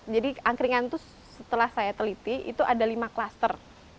jadi angkringan itu setelah saya teliti itu ada lima klaster